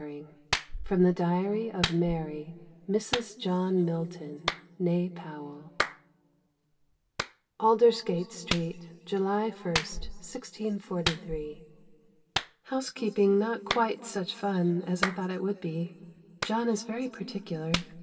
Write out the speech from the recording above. XIV FROM THE DIARY OF MARY, MRS JOHN MILTON (née POWELL) Aldersgate Street, July 1, 1643. House keeping not quite such fun as I thought it would be. John is very particular.